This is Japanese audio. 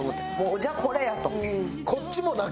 じゃあこれや！と。